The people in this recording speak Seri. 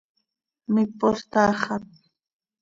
¿Mipos taaxat?